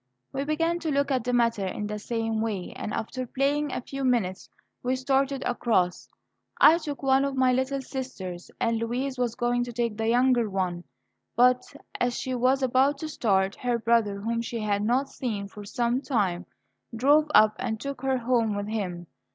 We began to look at the matter in the same way, and after playing a few minutes, we started across. I took one of my little sisters, and Louise was going to take the younger one; but, as she was about to start, her brother, whom she had not seen for some time, drove up and took her home with him.